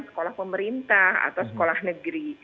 sekolah pemerintah atau sekolah negeri